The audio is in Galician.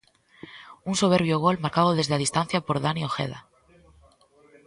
Un soberbio gol marcado desde a distancia por Dani Ojeda.